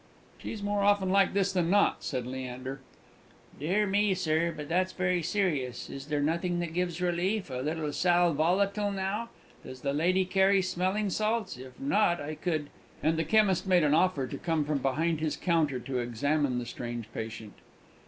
"She's more often like this than not," said Leander. "Dear me, sir; but that's very serious. Is there nothing that gives relief? a little sal volatile, now? Does the lady carry smelling salts? If not, I could " And the chemist made an offer to come from behind his counter to examine the strange patient.